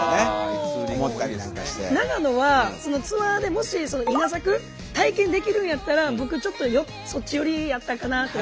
長野はツアーでもし稲作体験できるんやったら僕ちょっとそっち寄りやったかなって。